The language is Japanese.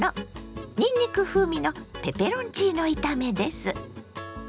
にんにく風味のペペロンチーノ炒めです。